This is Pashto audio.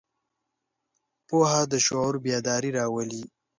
پوهه د شعور بیداري راولي.